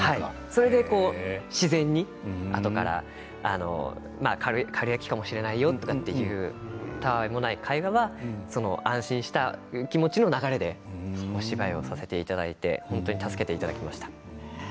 それで、自然にあとからかるやきかもしれないよという、たあいのない会話が安心した気持ちの流れでお芝居をさせていただいて本当に助けていただきました。